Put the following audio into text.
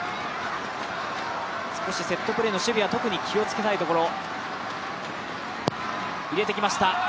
セットプレーの守備は特に気をつけたいところ。